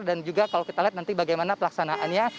dan juga kalau kita lihat nanti bagaimana pelaksanaannya